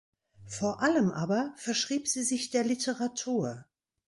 Vor allem aber verschrieb sie sich der Literatur.